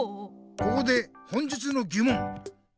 ここで本日のぎもん！